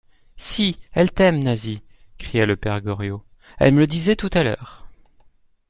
Si, elle t'aime, Nasie, cria le père Goriot, elle me le disait tout à l'heure.